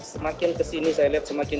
semakin kesini saya lihat semakin